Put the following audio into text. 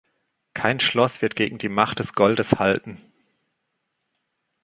Kein Schloss wird gegen die Macht des Goldes halten.